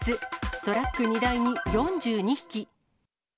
トラック荷台に４２匹。